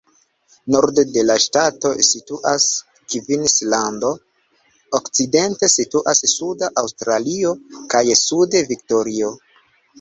Norde de la ŝtato situas Kvinslando, okcidente situas Suda Aŭstralio, kaj sude Viktorio.